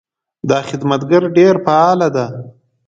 دا خدمتګر ډېر فعاله ده.